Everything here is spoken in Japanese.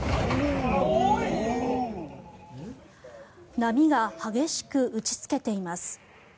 波が激しく打ちつけています。